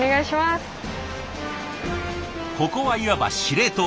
ここはいわば司令塔。